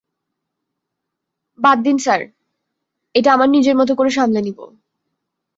বাদ দিন স্যার এটা আমার নিজের মতো করে সামলে নিব।